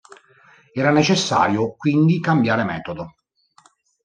Era necessario quindi cambiare metodo.